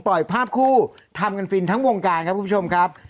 ปล่อยภาพคู่ทำกันฟินทั้งวงการครับคุณผู้ชมครับ